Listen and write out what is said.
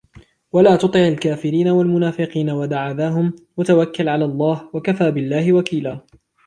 وَلَا تُطِعِ الْكَافِرِينَ وَالْمُنَافِقِينَ وَدَعْ أَذَاهُمْ وَتَوَكَّلْ عَلَى اللَّهِ وَكَفَى بِاللَّهِ وَكِيلًا